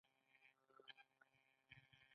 روحانیونو او کشیشانو ته هم ډیره ځمکه ورسیدله.